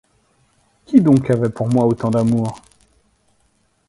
Qui donc avait pour moi autant d'amour?